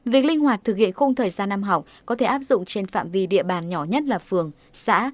việc linh hoạt thực hiện khung thời gian năm học có thể áp dụng trên phạm vi địa bàn nhỏ nhất là phường xã